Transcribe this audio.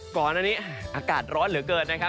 ก่อนอันนี้อากาศร้อนเหลือเกินนะครับ